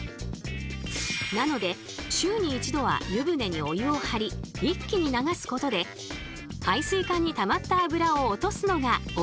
なので週に１度は湯船にお湯をはり一気に流すことで排水管にたまったあぶらを落とすのがオススメとのこと。